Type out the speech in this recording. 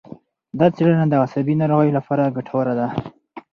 دا څېړنه د عصبي ناروغیو لپاره ګټوره ده.